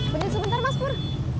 bener sebentar mas pur